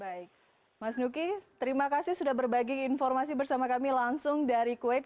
baik mas nuki terima kasih sudah berbagi informasi bersama kami langsung dari kuwait